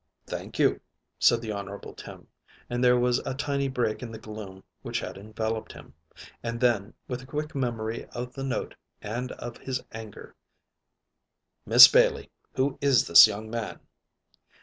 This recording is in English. "Thank you," said the Honorable Tim, and there was a tiny break in the gloom which had enveloped him. And then, with a quick memory of the note and of his anger: "Miss Bailey, who is this young man?"